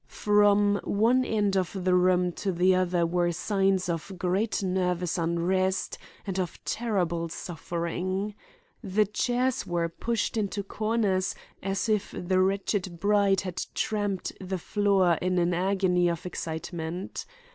From one end of the room to the other were signs of great nervous unrest and of terrible suffering. The chairs were pushed into corners as if the wretched bride had tramped the floor in an agony of excitement.